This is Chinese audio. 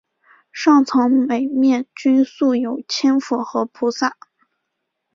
上层每面均塑有千佛或菩萨。